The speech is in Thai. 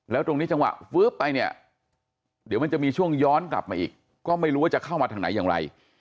แล้วตรงนี้จังหวะฟื๊บไปเนี่ยเดี๋ยวมันจะมีช่วงย้อนกลับมาอีกก็ไม่รู้ว่าจะเข้ามาทางไหนอย่างไร